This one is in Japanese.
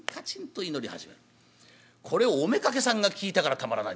これをお妾さんが聞いたからたまらない。